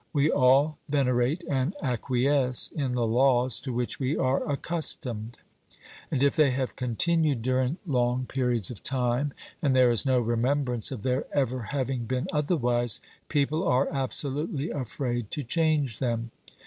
We all venerate and acquiesce in the laws to which we are accustomed; and if they have continued during long periods of time, and there is no remembrance of their ever having been otherwise, people are absolutely afraid to change them.